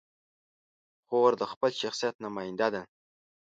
خور د خپل شخصیت نماینده ده.